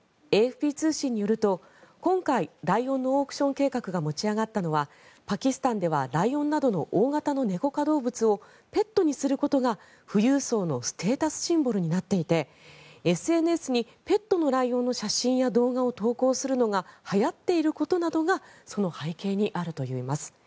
ＡＦＰ通信によると今回、ライオンのオークション計画が持ち上がったのはパキスタンでは、ライオンなどの大型のネコ科動物をペットにすることが富裕層のステータスシンボルになっていてＳＮＳにペットの動画や写真を投稿するのがはやっていることなどがその背景にあるといいます。